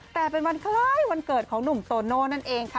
แต่เป็นวันคล้ายวันเกิดของหนุ่มโตโน่นั่นเองค่ะ